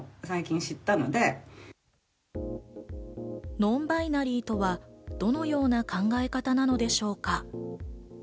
ノンバイナリーとはどのような考え方なのでしょうか。